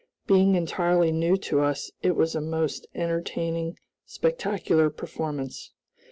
Being entirely new to us it was a most entertaining spectacular performance.